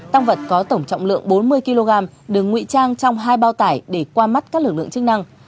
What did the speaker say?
tăng vật có tổng trọng lượng bốn mươi kg đường ngụy trang trong hai bao tải để qua mắt các lực lượng chức năng